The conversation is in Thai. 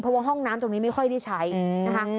เพราะว่าห้องน้ำตรงนี้ไม่ค่อยได้ใช้นะคะ